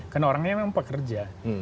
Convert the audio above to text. karena orangnya memang pekerja